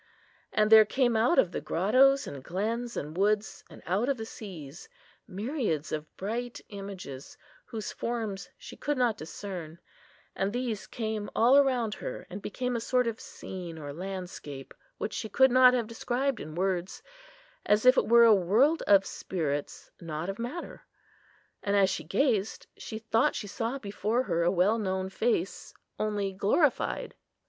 And there came out of the grottoes and glens and woods, and out of the seas, myriads of bright images, whose forms she could not discern; and these came all around her, and became a sort of scene or landscape, which she could not have described in words, as if it were a world of spirits, not of matter. And as she gazed, she thought she saw before her a well known face, only glorified.